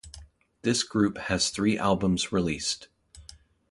This group has three albums released.